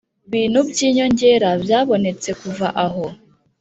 bintu by inyongera byabonetse kuva aho